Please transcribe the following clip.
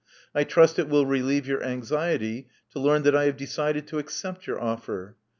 I trust it will relieve your anxiety to learn that I have decided to accept your offer.